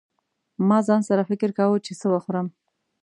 ما ځان سره فکر کاوه چې څه وخورم.